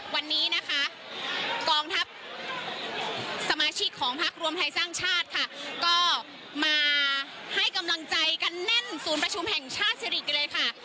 วันนี้นะคะกองทัพสมาชิกของพักรวมไทยสร้างชาติค่ะก็มาให้กำลังใจกันแน่นศูนย์ประชุมแห่งชาติสิริกันเลยค่ะ